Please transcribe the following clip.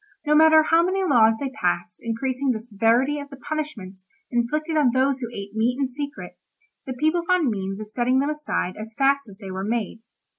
No matter how many laws they passed increasing the severity of the punishments inflicted on those who ate meat in secret, the people found means of setting them aside as fast as they were made.